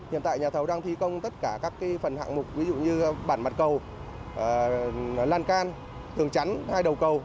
hiện tại nhà thầu đang thi công tất cả các phần hạng mục ví dụ như bản mặt cầu lan can tường chắn hai đầu cầu